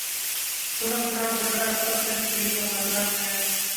دونوں اطراف جھگڑا ختم کرنے کے لیے مذاکرات میں ہیں